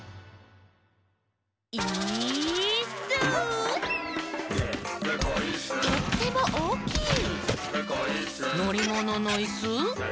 「イーッス」「とってもおおきい」「のりもののイス？」